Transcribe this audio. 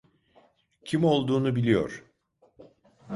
Kim olduğunu biliyor.